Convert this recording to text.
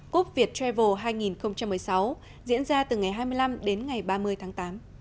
cúp viettravel hai nghìn một mươi sáu diễn ra từ ngày hai mươi năm đến ngày ba mươi tháng tám